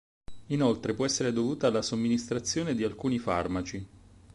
Inoltre può essere dovuta alla somministrazione di alcuni farmaci.